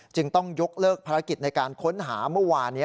ต้องยกเลิกภารกิจในการค้นหาเมื่อวาน